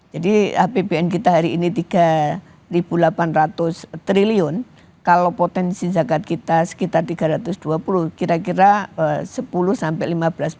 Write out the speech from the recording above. jadi apbn kita hari ini tiga ribu delapan ratus triliun kalau potensi zakat kita sekitar tiga ratus dua puluh kira kira sepuluh sampai lima belas